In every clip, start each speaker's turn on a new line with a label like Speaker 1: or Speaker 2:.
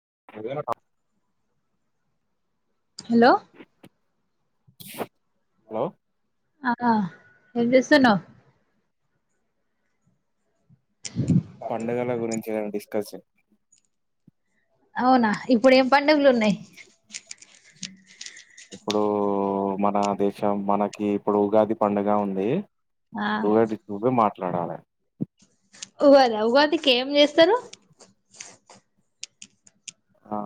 Speaker 1: [unintelligible]
Speaker 2: Hello
Speaker 1: hello
Speaker 2: ఆ ఏం చేస్తున్నావు
Speaker 1: పండుగల గురించి డిస్క స్కస్
Speaker 2: అవునా ఇప్పుడు ఏం పండుగలు ఉన్నాయి
Speaker 1: ఇప్పుడు మన దేశం మనకి ఇప్పుడు ఉగాది పండుగ ఉంది
Speaker 2: ఆ
Speaker 1: లడాలాల
Speaker 2: ఉగాద ఉగాదికి ఏం చేస్తారు
Speaker 1: ఆ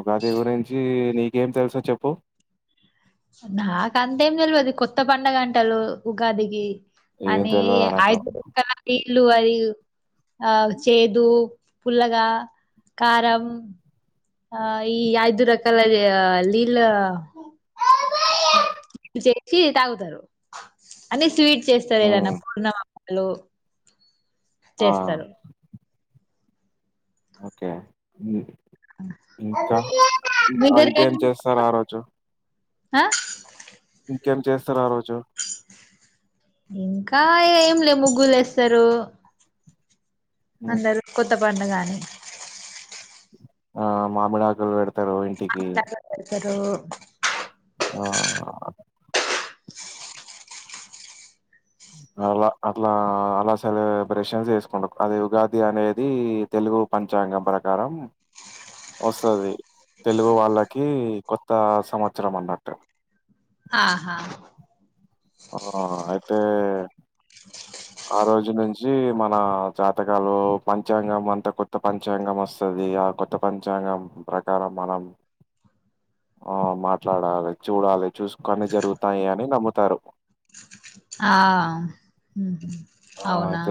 Speaker 1: ఉగాది గురించి నీకేం తెలుస చెప్పు
Speaker 2: నాక అంతేం తెలియదు కొత్త పడుగంటలు ఉగాదికి
Speaker 1: ఏం
Speaker 2: అని
Speaker 1: తెల్వదు నాకు
Speaker 2: అయజ ద ఇల్లు అరి ఆ చేదు పుల్లగా కారం ఆ ఈ యిదూరకాలద లీలా
Speaker 1: అ
Speaker 2: చేసి తాగుతారు అన్ని స్వీట్స్ చేస్తారు ఏదన్న
Speaker 1: ఉమ్
Speaker 2: పూర్ హలో
Speaker 1: ఆ
Speaker 2: చేస్తారు
Speaker 1: ఓకే ఇంకా
Speaker 2: మీందరుక
Speaker 1: ఇంకేం చేస్తారు ఆ రోజు
Speaker 2: ఆ
Speaker 1: ఇంకేం చేస్తారు ఆ రోజు
Speaker 2: అ ఏం లే ముగ్గులు వేస్తారు అందరూ కొత్త బండగానీ
Speaker 1: ఆ మామిడాకలు వెడు
Speaker 2: సరు
Speaker 1: ఆ అలా అట్లా అలా సెలబ్రేషన్స్ చేసుకుంట అది ఉగాది అనేది తెలుగు పంచాంగం ప్రకారం వస్తుది తెలుగు వాళ్ళకి కొత్త సంవత్సరం అన్నట్టు
Speaker 2: ఆహా
Speaker 1: ఆ అయితే ఆ రోజు నుంచి మన జాతకాలు పంచాంగం అంత కొత్త పంచాంగం వస్తుంది ఆ కొత్త పంచాంగం ప్రకారం మనం ఆ మాట్లాడాలి చూడాలి చూసుకన్ని జరుగుతాయి అని నమ్ముతారు
Speaker 2: ఆ అవునా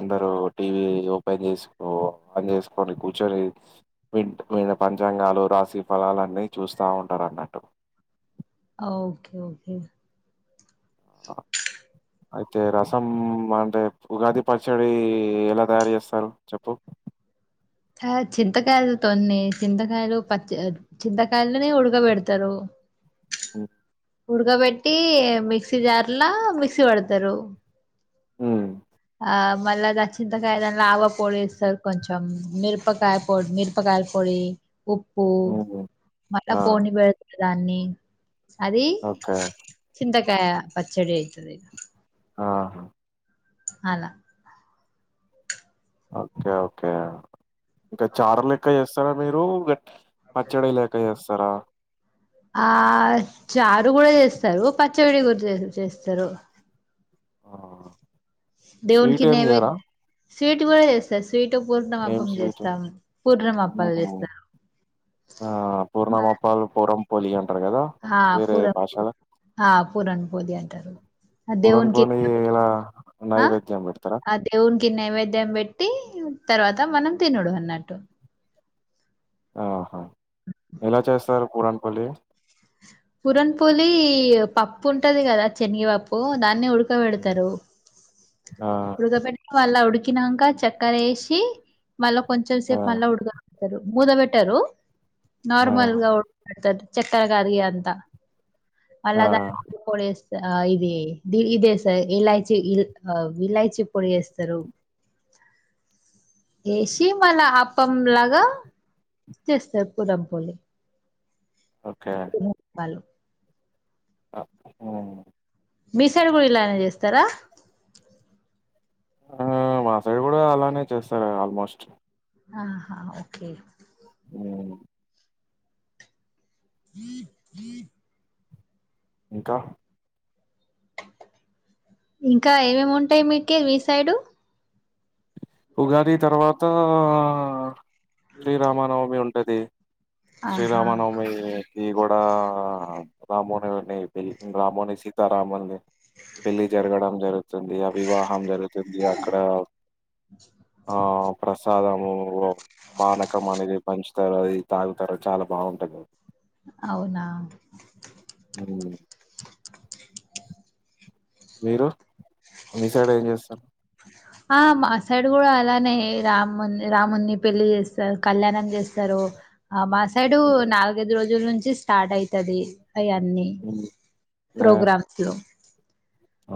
Speaker 1: అందరు టీవీ ఓపెన్ చేసుకో ఆన్ చేసుకొని కూర్చొని విన్న పంచాంగాలు రాశి ఫలాలుని అన్నీ చూస్తా ఉంటారు అన్నట్టు
Speaker 2: ఓకే ఓకే
Speaker 1: అయితే రసం అంటే ఉగాది పచ్చడి ఎలా తయారు చేస్తారు చెప్పు
Speaker 2: చింతకాయలు తొన్ని చింతకాయలు పచ్చ చింతకాయలునే ఉడకబెడతారు
Speaker 1: అ
Speaker 2: ఉడకబెట్టి మిక్సీ జార్లా మిక్సీ పడతారు
Speaker 1: అ
Speaker 2: ఆ మళ్ళీ దచ్చింతకాయ దా ఆవపొడి ఇస్తారు కొంచెం మిరపకాయ పొడి మిరపకాయ పొడి ఉప్పూ
Speaker 1: హ్మ్
Speaker 2: మళ
Speaker 1: ఆ!
Speaker 2: పోనీ బతు రానీ అది
Speaker 1: ఓకే.
Speaker 2: చింత పచ్చడి అవుతుది ఇద
Speaker 1: ఆహా
Speaker 2: అలా
Speaker 1: ఓకే ఓకే ఇంకా చార లెక్క వేస్తా సర మీరు గట్ పచ్చడి లేక చేస్తారా
Speaker 2: ఆ చారు కూడా చేస్తారు పచ్చమిడి కూడా చేస్తారు
Speaker 1: ఆ స్వీట్
Speaker 2: దవున్కి
Speaker 1: ఏం
Speaker 2: నైవేద
Speaker 1: చేయరా?
Speaker 2: సీట్ కూడా చెస్తార్ స్వీటు
Speaker 1: ఏం
Speaker 2: పూర్ణమాపం
Speaker 1: స్వీట్?
Speaker 2: చేస్తాం పూర్ణమాపాలు
Speaker 1: హ్మ్.
Speaker 2: చేస్తాము
Speaker 1: పోలియాన్
Speaker 2: పణ పరణపోలియారు
Speaker 1: పూరన్
Speaker 2: దవుకి
Speaker 1: పోలి ఇలా
Speaker 2: న
Speaker 1: నైవేద్యం పెడతారా?
Speaker 2: దవుకి నైవేద్య ద్యం పెట్టి తర్వాత మనం తినుడు అన్నట్టు
Speaker 1: ఆహా ఎలా చేస్తారు పరంట హోలీ
Speaker 2: పురన్పూలి పప్పు ఉంటది కదా శనగి పప్పు దాన్ని ఉడు పక్క పెడతారు
Speaker 1: ఆ!
Speaker 2: ఉృగ పెట్ట అల్ అడు చకినాంక చెక్కరేసి మళ్ళా కొంచెం
Speaker 1: ఆ!
Speaker 2: సేపు మళ్ళా ఉడకతారు మూదబెట్టరు
Speaker 1: ఆ!
Speaker 2: నార్మల్గా ఉడక పెడుతరు చెక్కర కదిగా అంతా అల్
Speaker 1: ఆ!
Speaker 2: [unintelligible] పస్త ఆ ఇది ది ఇదే సార్ ఇలాచి ఇల్ ఆహ్ ఇలాచి పొడి వేస్తారు వేసి మళ్ళా అప్పంలాగా చేస్తారు పుడంపొలి ము భాల్
Speaker 1: అ ఉమ్
Speaker 2: మీ సైడు కూడా ఇలానే చేస్తారా.
Speaker 1: ఆ మాసైడు కూడా అలానే చేస్తారు ఆల్మోస్ట్.
Speaker 2: ఆహా ఓకే
Speaker 1: ఉమ్
Speaker 2: ఈ ఈ
Speaker 1: ఇంకా
Speaker 2: ఇంకా ఏమేమి ఉంటాయి మీకి మీ సైడు
Speaker 1: ఉగాది తర్వా త ఆ శ్రీరామనవమి ఉం టదే
Speaker 2: ఆహా
Speaker 1: శ్రీరామనవమి ది కూడా రామునిని రాముని సీతారాముల్ని పెళ్లి జరగడం జరుగుతుంది అ వివాహం జరుగుతుంది అక్కడ ఆ ఆ ప్రసా సాదము హ్ వో పానకం అనేది పంచ్ తారు అది తాగుతారు చాలా బాగుంటది
Speaker 2: అవునా
Speaker 1: ఉమ్, మీరు మీ సైడ్ ఏం చేస్తారు.
Speaker 2: ఆ మా సైడ్ కూడా అలానే రాముని రాముని పెళ్లి చేస్తారు కళ్యాణం చేస్తారు. ఆ మా సైడు
Speaker 1: ఉమ్,
Speaker 2: నాలుగైదు రోజుల ను చి స్టార్ట్ అయితాది. అయితయి అన్నీ
Speaker 1: ఉమ్, ఆ,
Speaker 2: ప్రోగ్రామ్స్ లో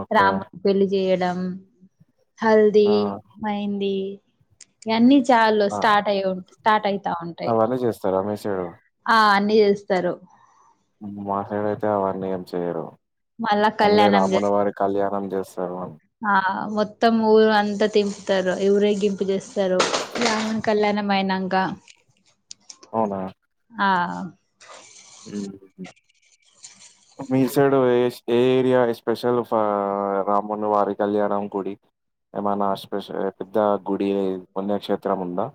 Speaker 1: ఓకే
Speaker 2: పెళ్ళి చేయడం. హల్ది
Speaker 1: ఆ
Speaker 2: మెహందీ. ఇక అన్ని చ్ చాళ్లు
Speaker 1: ఆ.
Speaker 2: స్టార్ట్ అయి ఉంట్ స్టార్ట్ అయితా ఉంటాయి.
Speaker 1: స్తారా మీ సైడ్
Speaker 2: ఆ అన్నిీ చేస్తారు
Speaker 1: మా సైడ్ అయితే అవన్నీ ఏం చెయరు
Speaker 2: మళ్ళా
Speaker 1: ఓన్లీ
Speaker 2: కళ్యాణం
Speaker 1: రాముల
Speaker 2: చేస్తారు
Speaker 1: వారి కళ్యాణం చేస్ స్తరు మా
Speaker 2: ఆ మొత్తం ఊరు అంతా తింపుతారు ఊరే గింపు చేేస్తారు రాముని కళ్యాణం అయినాక
Speaker 1: అవునా
Speaker 2: ఆ
Speaker 1: ఉమ్ మీ సైడు ఏ ఏ ఏరియా ఎస్పెషల్ ఫ రాముల వారి కళ్యాణం గుడి ఏమైనా స్పెష పెద్ద గుడి పుణ్యక్షేత్రం ఉందా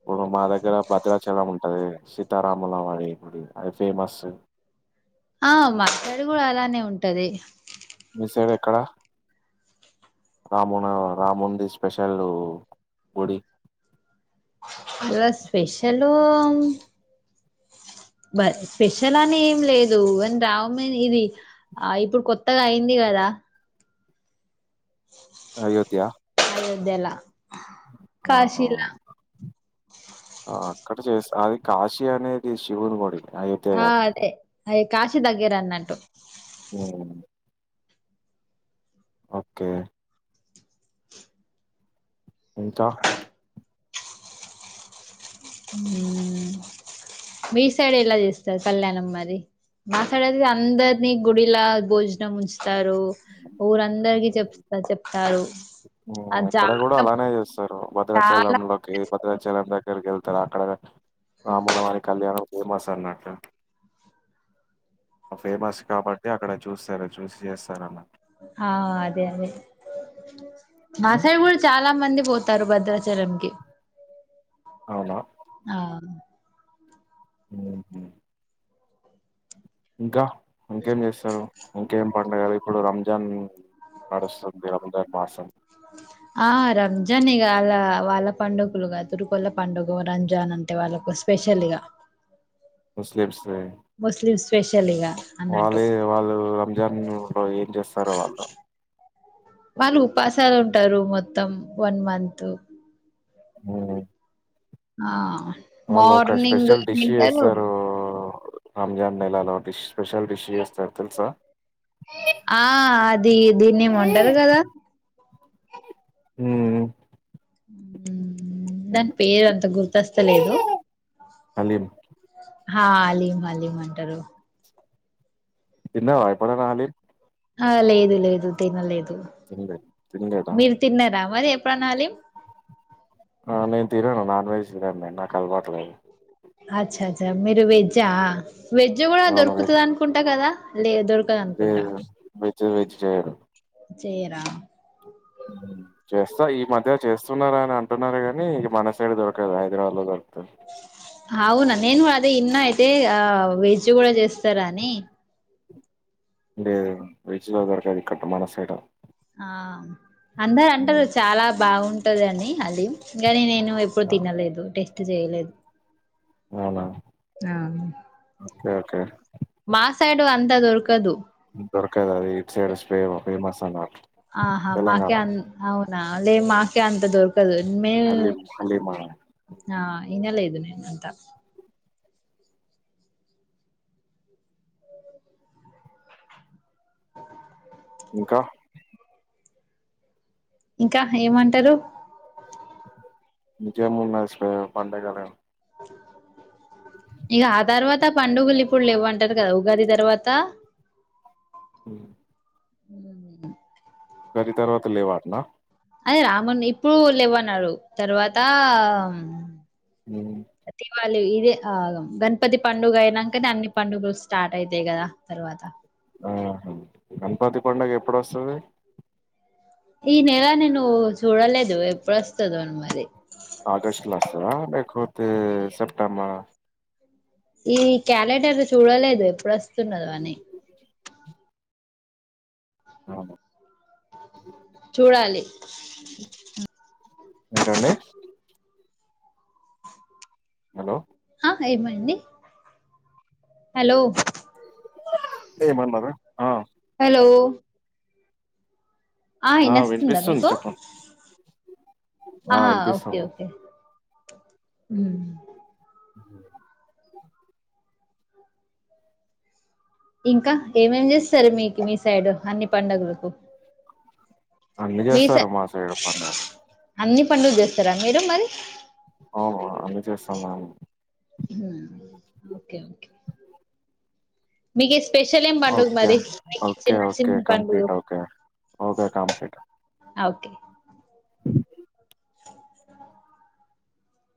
Speaker 1: ఇప్పుడు నా దగ్గర భద్రాచలం ఉంటది సీతారాముల వారి గుడి అది ఫేమస్
Speaker 2: ఆ మా సైడ్ కూడా అలానే ఉంటది
Speaker 1: మీ సైడ్ ఎక్కడ రామునా రాముంది స్పెషల్ గుడి
Speaker 2: ఇల స్పెషల్.,.. స్పెషల్ అని ఏం లేదు ఇన్ రామ్ ఇది ఆ ఇప్పుడు కొత్తగా అయింది కదా
Speaker 1: అయోధ్యా
Speaker 2: దెల
Speaker 1: ఆహా అక్కడ చేస్త అది కాశీ అనేది శివుని గుడి అయోధ్య
Speaker 2: ఆ
Speaker 1: కాదు
Speaker 2: అదే అయి కాశీ దగ్గర అన్నట్టు
Speaker 1: మ్మ్ ఓకే ఇంక
Speaker 2: మ్మ్. మీ సైడ్ ఎలా చేస్తారు కళ్యాణం మరి మా సైడ్ అందరినీ గుడిలా భోజనం ఉంచ చెప్తారు ఊరందరికి చెప్ చెప్ తరు
Speaker 1: ఇక్కడ కూడా అలానే చేస్తారు
Speaker 2: చాలా
Speaker 1: భద్రాచలంలోకి భద్రాచలం దగ్గరికి వెళ్ [unintelligible] అక్కడ రాముల వారి కళ్యాణం ఫేమస్ అన్నట్టు ఫేమస్ కాబట్టి అక్కడ చూస్తారు చూసి చేస్తార అన్నట్టు
Speaker 2: ఆ అదే అదే మా
Speaker 1: హ్మ్.
Speaker 2: సైడ్ కూడా చాలా మంది పోతారు భద్రాచలంకి
Speaker 1: అవునా?
Speaker 2: ఆ
Speaker 1: హ ఇంకా ఇంకేం చేస్తారు ఇంకేం పడుగలు ఇప్పుడు రంజ జన్ నడుస్తుంది అంద మాసం
Speaker 2: ఆ రంజాన్ ఇగ అలా వాళ్ళ పండుగలుగా [unintelligible] పండుగ రంజాన్ అంటే వాళ్ళకు స్పెషల్గా
Speaker 1: ముస్లిమ్స్
Speaker 2: ముస్లింస్ స్పెషల్ ఇగా
Speaker 1: వాళ్ళే వాళ్ళు రంజాన్ లో ఏం చేస్తారో వాళ్ళు
Speaker 2: వాళ్ళు ఉపాసాలు ఉంటారు మొత్తం వన్ మంతంత్
Speaker 1: మ్మ్
Speaker 2: ఆ
Speaker 1: వాళ్ళు ఒక
Speaker 2: మార్నింగ్
Speaker 1: స్పెషల్ డిష్
Speaker 2: తింటారు
Speaker 1: చేస్తారు రంజాన్ నెలలో డిష్ స్పెషల్ డిష్ చేస్తారు తెలుసా
Speaker 2: ఆ అది దీ దీన్ని ఏమంటారు కదా
Speaker 1: మ్మ్
Speaker 2: ఉ దాని పేరు అంత గుర్తస్తలేదు
Speaker 1: హలీం
Speaker 2: హా హలీం హలీం అంటారు
Speaker 1: తిన్నావా ఎప్పుడన్నా హాలిం
Speaker 2: ఆ లేదు లేదు తినలేదు
Speaker 1: తినలే తినలేదా
Speaker 2: మీరు తిన్నారా మరి ఎప్పుడన్నా హలిం
Speaker 1: హ నేను తినను నాన్ వెజ్ తినను నిను నాకు అలవాటులేదు
Speaker 2: అచ్చ అచ్చ మీరు వెేజ్జా వెజ్ కూడా
Speaker 1: నాన్ వెజ్
Speaker 2: దొరుకుతది అనుకుంటా కదా లే దొరకదు అనుకుంటా
Speaker 1: జ్ చెయ్యరు
Speaker 2: చెయ్యరా
Speaker 1: చేస్తా ఈ మధ్య చేస్తున్నారా అని అంటున్నారు కాని ఇగ మన సైడ్ దొరకదు హైదరాబాద్ లో దొరక్ త్త
Speaker 2: అవునా నేను కూడా అదే ఇన్న అయితే ఆ వెజ్ కూడా చేస్తారు అని
Speaker 1: లేదండి వెజ్ లో దొరకదు ఎక్కడ మన సైడ్
Speaker 2: ఆ అందరు అంటారు
Speaker 1: ఉమ్.
Speaker 2: చాలా బాగుంటదని అది గని నేను ఎప్పుడు తినలేదు టెస్ట్ చేయలేదు
Speaker 1: అవునా
Speaker 2: ఆ
Speaker 1: ఓకే ఓకే
Speaker 2: మా సైడ్ అంతా దొరకదు
Speaker 1: దొరకదు అది ఇటు సైడ్ స్పే ఫేమస్ అన్నట్టు
Speaker 2: ఆహా
Speaker 1: తెలంగాణ
Speaker 2: మాకే అన్ని అవు నా లేే మాకే అంత దొర్కు [unintelligible] కాదు మే
Speaker 1: హలీం హలీమా
Speaker 2: ఆ ఇనలేదు నేను అంత హహ
Speaker 1: ఇంకా
Speaker 2: ఇంకా ఏమంటరు
Speaker 1: ఇంకే మూడుచ్చ పండగాలు
Speaker 2: ఇగ ఆ తర్వాత పండుగలు ఇప్పుడు ఇవ్వంటారు కదా ఉగాది తర్వాత
Speaker 1: హుమ్మ్
Speaker 2: హమ్
Speaker 1: ఉగాది తర్వాత లేవాట్నా
Speaker 2: అదే రామున్ ఇప్పుడు లేవు అన్నాడు తర్వాత
Speaker 1: ఉ
Speaker 2: వాళ్లు ఇదే ఆగం గణపతి పండుగ అయినంకనే అన్ని పండుగలు స్టార్ట్ అయితాయి కదా తర్వాత
Speaker 1: ఆహ గణపతి పండుగ ఎప్పుడు వస్తది
Speaker 2: ఈ నెల నేను చూడలేదు ఎప్పుడు వస్తదో అని మరి
Speaker 1: ఆగస్ట్ లా వస్తదా లేకపోతే సెప్టెంబర్ ఆ
Speaker 2: ఈ క్యాలెండర్ చూడలేదు ఎప్పుడు అస్ తున్నదో అని
Speaker 1: ఆమ
Speaker 2: చూడాలి
Speaker 1: ఏంటండి హలో
Speaker 2: ఆ ఏమండి హలో
Speaker 1: ఏమన్నారు ఆ
Speaker 2: హలో ఆ ఇనవస్తుందా
Speaker 1: వినిపిస్తుంది
Speaker 2: మీకు
Speaker 1: చెప్పండి
Speaker 2: ఆ ఓకే ఓకే హుమ్మ్
Speaker 1: అ
Speaker 2: ఇంకా ఏం ఏం చేస్తారు మీకు మీస్ సైడ్ అన్ని పండుగలకు
Speaker 1: అన్ని
Speaker 2: మీ
Speaker 1: చేస్తారు మా సైడు పండుగలు
Speaker 2: పండుగ్ చేస్తారా మీరు మరి
Speaker 1: అవును అన్ని చేస్తాం మాము
Speaker 2: ఓకే మీ కేస్
Speaker 1: ఓకే ఓకే ఓకే
Speaker 2: చిన్న పండుగ
Speaker 1: complete okay okay complete
Speaker 2: okay